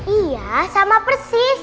iya sama persis